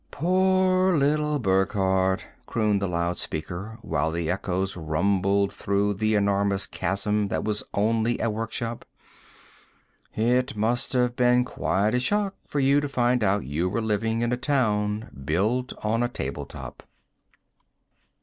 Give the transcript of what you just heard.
"Poor little Burckhardt," crooned the loudspeaker, while the echoes rumbled through the enormous chasm that was only a workshop. "It must have been quite a shock for you to find out you were living in a town built on a table top."